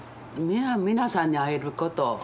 皆さんに会えること。